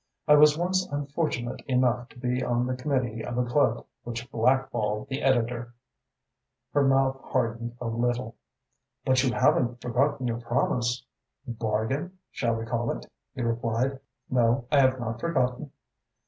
I was once unfortunate enough to be on the committee of a club which blackballed the editor." Her mouth hardened a little. "But you haven't forgotten your promise?" "'Bargain' shall we call it?" he replied. "No, I have not forgotten."